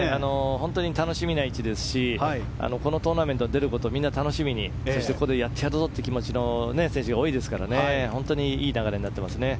本当に楽しみな位置ですしこのトーナメントに出ることみんな楽しみにしてやってやるぞという選手が多いですから本当にいい戦いになっていますね。